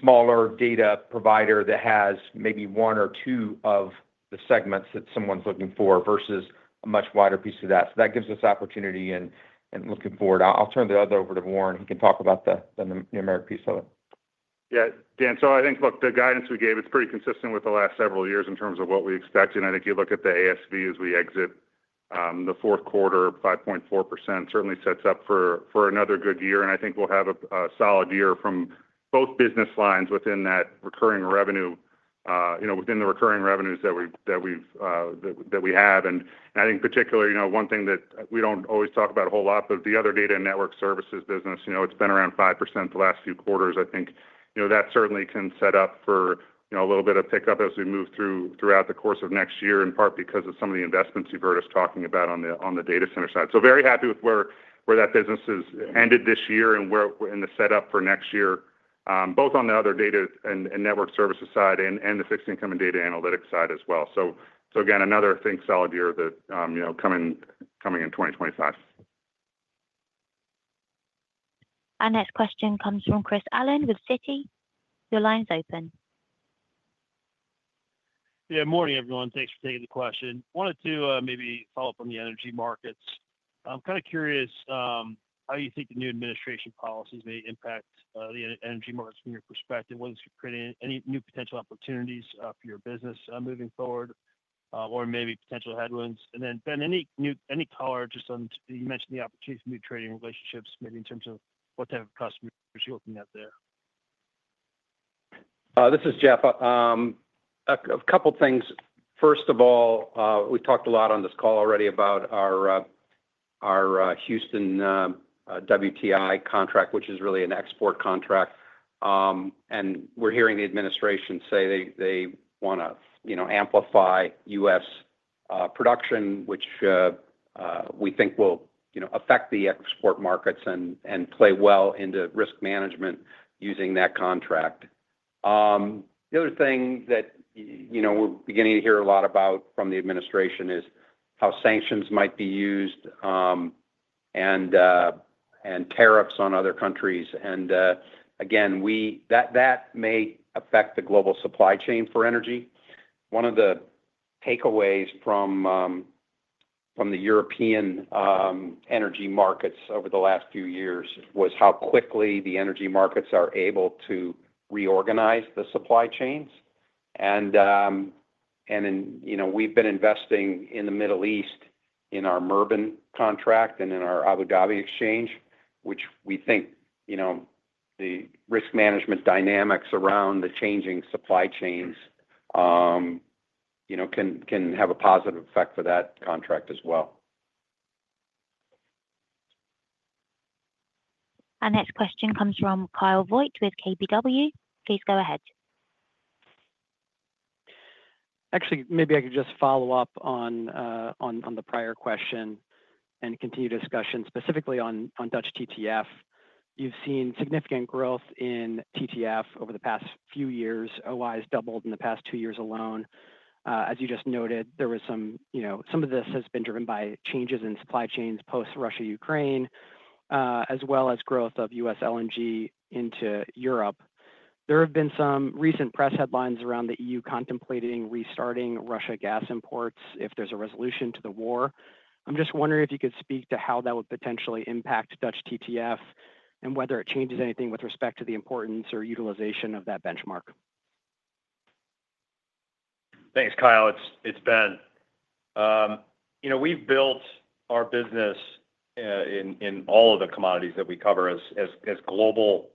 smaller data provider that has maybe one or two of the segments that someone's looking for versus a much wider piece of that. So that gives us opportunity in looking forward. I'll turn it over to Warren. He can talk about the numeric piece of it. Yeah. Dan, so I think, look, the guidance we gave, it's pretty consistent with the last several years in terms of what we expect. And I think you look at the ASV as we exit the fourth quarter, 5.4% certainly sets up for another good year. And I think we'll have a solid year from both business lines within that recurring revenue, within the recurring revenues that we have. And I think particularly one thing that we don't always talk about a whole lot, but the other Data and Network Services business, it's been around 5% the last few quarters. I think that certainly can set up for a little bit of pickup as we move throughout the course of next year, in part because of some of the investments you've heard us talking about on the data center side. So very happy with where that business has ended this year and the setup for next year, both on the other Data and Network Services side and the Fixed Income Data and Analytics side as well. So again, another thing solid year coming in 2025. Our next question comes from Chris Allen with Citi. Your line's open. Yeah. Morning, everyone. Thanks for taking the question. Wanted to maybe follow up on the energy markets. I'm kind of curious how you think the new administration policies may impact the energy markets from your perspective. Whether it's creating any new potential opportunities for your business moving forward or maybe potential headwinds. And then, Ben, any color just on you mentioned the opportunity for new trading relationships, maybe in terms of what type of customers you're looking at there. This is Jeff. A couple of things. First of all, we talked a lot on this call already about our Houston WTI contract, which is really an export contract. And we're hearing the administration say they want to amplify U.S. production, which we think will affect the export markets and play well into risk management using that contract. The other thing that we're beginning to hear a lot about from the administration is how sanctions might be used and tariffs on other countries. And again, that may affect the global supply chain for energy. One of the takeaways from the European energy markets over the last few years was how quickly the energy markets are able to reorganize the supply chains. And we've been investing in the Middle East in our Murban contract and in our Abu Dhabi exchange, which we think the risk management dynamics around the changing supply chains can have a positive effect for that contract as well. Our next question comes from Kyle Voigt with KBW. Please go ahead. Actually, maybe I could just follow up on the prior question and continue discussion specifically on Dutch TTF. You've seen significant growth in TTF over the past few years. OI has doubled in the past two years alone. As you just noted, there was some of this has been driven by changes in supply chains post-Russia-Ukraine, as well as growth of U.S. LNG into Europe. There have been some recent press headlines around the EU contemplating restarting Russia gas imports if there's a resolution to the war. I'm just wondering if you could speak to how that would potentially impact Dutch TTF and whether it changes anything with respect to the importance or utilization of that benchmark. Thanks, Kyle. It's Ben. We've built our business in all of the commodities that we cover as global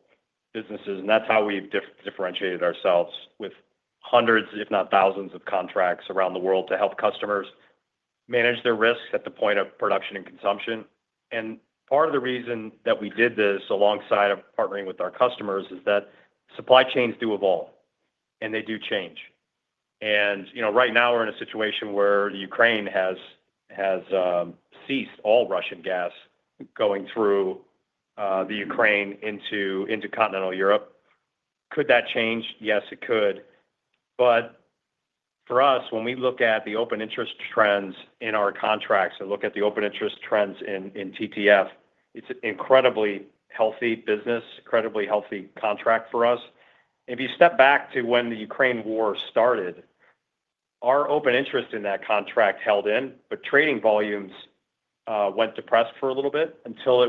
businesses, and that's how we've differentiated ourselves with hundreds, if not thousands, of contracts around the world to help customers manage their risks at the point of production and consumption. Part of the reason that we did this alongside of partnering with our customers is that supply chains do evolve and they do change. Right now, we're in a situation where Ukraine has ceased all Russian gas going through the Ukraine into continental Europe. Could that change? Yes, it could. For us, when we look at the open interest trends in our contracts and look at the open interest trends in TTF, it's an incredibly healthy business, incredibly healthy contract for us. If you step back to when the Ukraine war started, our open interest in that contract held in, but trading volumes went to press for a little bit until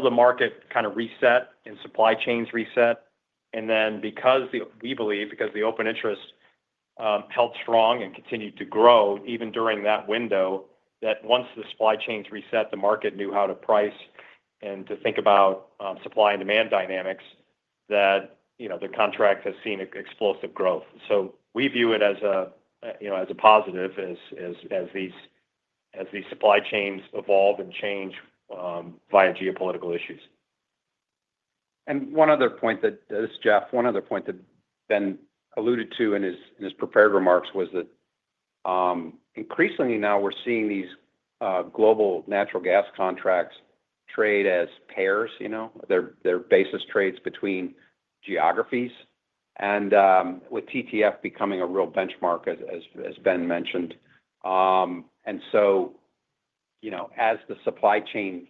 the market kind of reset and supply chains reset. And then because we believe the open interest held strong and continued to grow even during that window, that once the supply chains reset, the market knew how to price and to think about supply and demand dynamics, that the contract has seen explosive growth. So we view it as a positive as these supply chains evolve and change via geopolitical issues. And one other point that is, Jeff, that Ben alluded to in his prepared remarks was that increasingly now we're seeing these global natural gas contracts trade as pairs. They're basis trades between geographies and with TTF becoming a real benchmark, as Ben mentioned. And so as the supply chain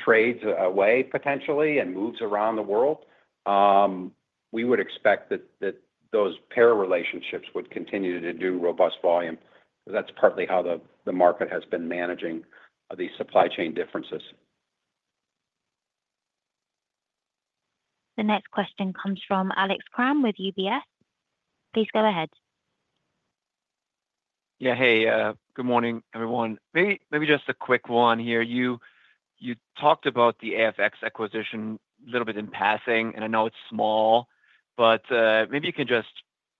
trades away potentially and moves around the world, we would expect that those pair relationships would continue to do robust volume because that's partly how the market has been managing these supply chain differences. The next question comes from Alex Kramm with UBS. Please go ahead. Yeah. Hey. Good morning, everyone. Maybe just a quick one here. You talked about the AFX acquisition a little bit in passing, and I know it's small, but maybe you can just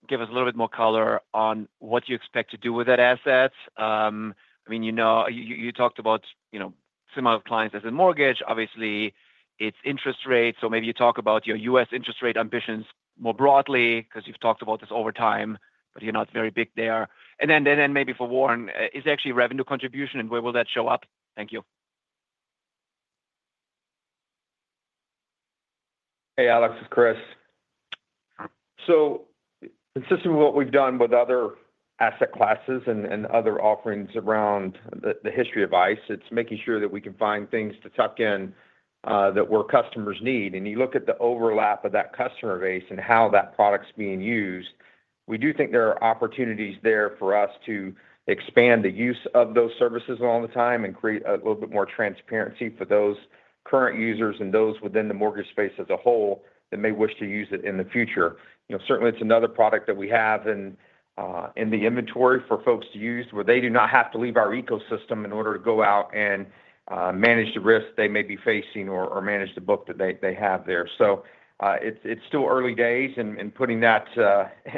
give us a little bit more color on what you expect to do with that asset. I mean, you talked about some of the clients in the mortgage. Obviously, it's interest rates. So maybe you talk about your U.S. interest rate ambitions more broadly because you've talked about this over time, but you're not very big there. And then maybe for Warren, is it actually revenue contribution and where will that show up? Thank you. Hey, Alex. It's Chris. So consistent with what we've done with other asset classes and other offerings around the history of ICE, it's making sure that we can find things to tuck in that customers need. And you look at the overlap of that customer base and how that product's being used, we do think there are opportunities there for us to expand the use of those services along the time and create a little bit more transparency for those current users and those within the mortgage space as a whole that may wish to use it in the future. Certainly, it's another product that we have in the inventory for folks to use where they do not have to leave our ecosystem in order to go out and manage the risk they may be facing or manage the book that they have there. It's still early days in putting that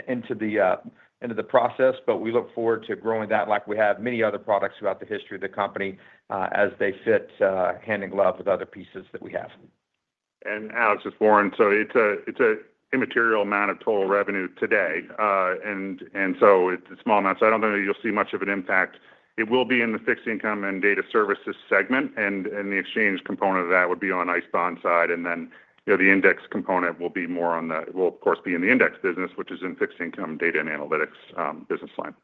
into the process, but we look forward to growing that like we have many other products throughout the history of the company as they fit hand in glove with other pieces that we have. And Alex, it's Warren. So it's an immaterial amount of total revenue today. And so it's a small amount. So I don't think you'll see much of an impact. It will be in the Fixed Income and Data Services segment, and the exchange component of that would be on ICE Bond side. And then the index component will be more on the, of course, be in the index business, which is in Fixed Income Data and Analytics business line.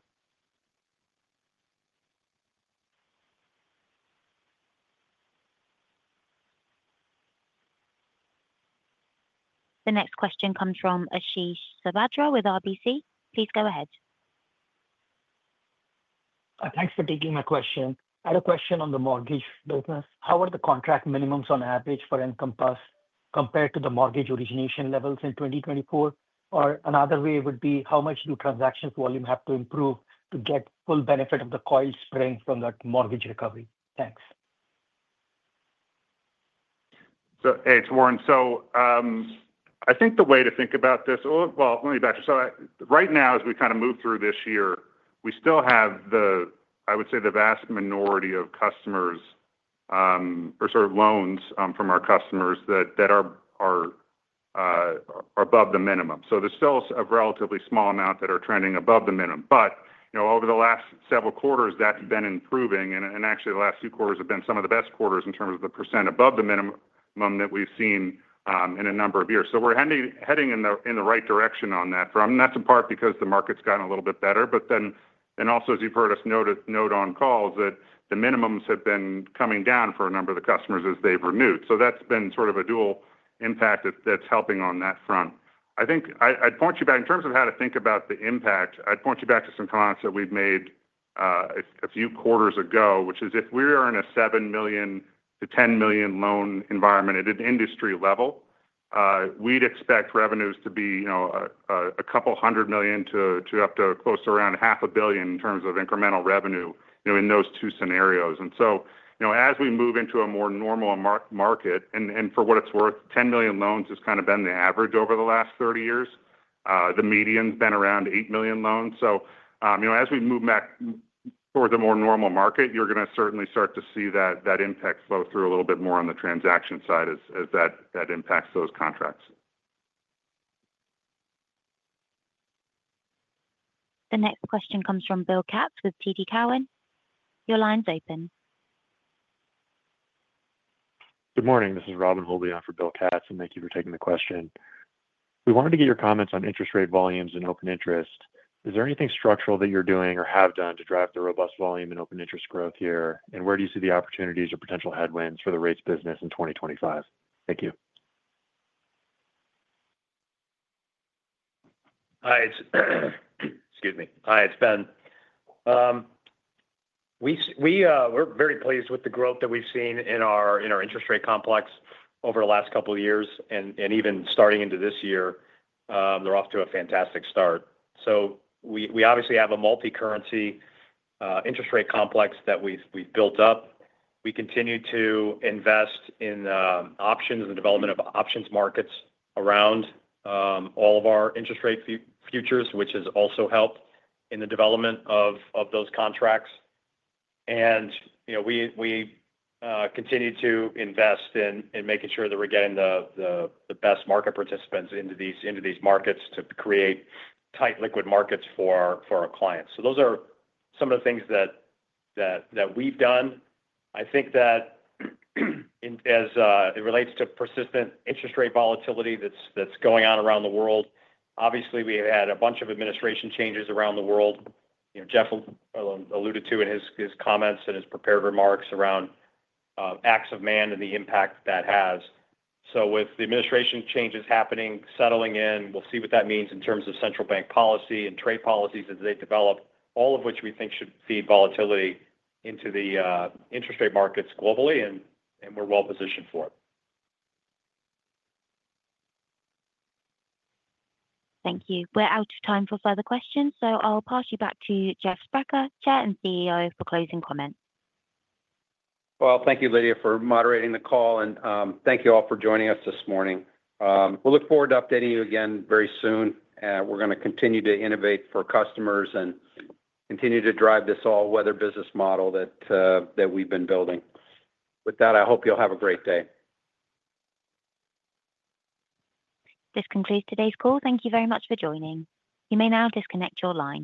The next question comes from Ashish Sabadra with RBC. Please go ahead. Thanks for taking my question. I had a question on the mortgage business. How are the contract minimums on average for Encompass compared to the mortgage origination levels in 2024? Or another way would be how much do transaction volume have to improve to get full benefit of the coil spring from that mortgage recovery? Thanks. Hey, it's Warren. So I think the way to think about this well, let me back up. So right now, as we kind of move through this year, we still have, I would say, the vast minority of customers or sort of loans from our customers that are above the minimum. So there's still a relatively small amount that are trending above the minimum. But over the last several quarters, that's been improving. And actually, the last two quarters have been some of the best quarters in terms of the percent above the minimum that we've seen in a number of years. So we're heading in the right direction on that front. And that's in part because the market's gotten a little bit better. But then also, as you've heard us note on calls, that the minimums have been coming down for a number of the customers as they've renewed. So that's been sort of a dual impact that's helping on that front. I think I'd point you back in terms of how to think about the impact. I'd point you back to some comments that we've made a few quarters ago, which is if we are in a 7 million-10 million loan environment at an industry level, we'd expect revenues to be $200 million to up to close to around $500 million in terms of incremental revenue in those two scenarios. And so as we move into a more normal market, and for what it's worth, 10 million loans has kind of been the average over the last 30 years. The median's been around 8 million loans. So as we move back towards a more normal market, you're going to certainly start to see that impact flow through a little bit more on the transaction side as that impacts those contracts. The next question comes from Bill Katz with TD Cowen. Your line's open. Good morning. This is Robin Holbein for Bill Katz, and thank you for taking the question. We wanted to get your comments on interest rate volumes and open interest. Is there anything structural that you're doing or have done to drive the robust volume and open interest growth here? And where do you see the opportunities or potential headwinds for the rates business in 2025? Thank you. Hi. Excuse me. Hi. It's Ben. We're very pleased with the growth that we've seen in our interest rate complex over the last couple of years and even starting into this year. They're off to a fantastic start, so we obviously have a multi-currency interest rate complex that we've built up. We continue to invest in options and development of options markets around all of our interest rate futures, which has also helped in the development of those contracts, and we continue to invest in making sure that we're getting the best market participants into these markets to create tight liquid markets for our clients. So those are some of the things that we've done. I think that as it relates to persistent interest rate volatility that's going on around the world, obviously, we have had a bunch of administration changes around the world. Jeff alluded to in his comments and his prepared remarks around acts of man and the impact that has. So with the administration changes happening, settling in, we'll see what that means in terms of central bank policy and trade policies as they develop, all of which we think should feed volatility into the interest rate markets globally, and we're well positioned for it. Thank you. We're out of time for further questions, so I'll pass you back to Jeff Sprecher, Chair and CEO, for closing comments. Well, thank you, Lydia, for moderating the call, and thank you all for joining us this morning. We'll look forward to updating you again very soon. We're going to continue to innovate for customers and continue to drive this all-weather business model that we've been building. With that, I hope you'll have a great day. This concludes today's call. Thank you very much for joining. You may now disconnect your line.